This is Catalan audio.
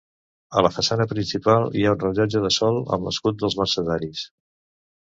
A la façana principal hi ha un rellotge de sol amb l'escut dels Mercedaris.